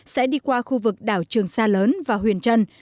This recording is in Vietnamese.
sẽ đi qua khu vực đảo trường sa lớn và huyền trân